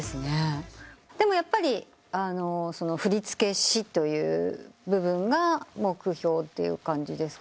でもやっぱり振付師という部分が目標という感じですか？